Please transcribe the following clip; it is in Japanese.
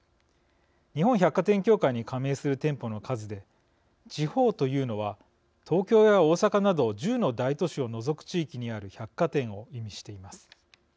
日本百貨店協会に加盟する店舗の数で、地方というのは東京や大阪など１０の大都市を除く地域にある百貨店を意味しています。